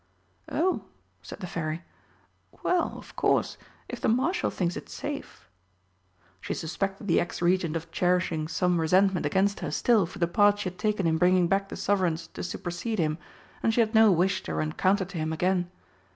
"Oh," said the Fairy. "Well, of course, if the Marshal thinks it safe!" She suspected the ex Regent of cherishing some resentment against her still for the part she had taken in bringing back the Sovereigns to supersede him, and she had no wish to run counter to him again.